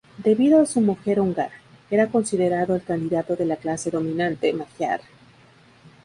Debido a su mujer húngara, era considerado el candidato de la clase dominante magiar.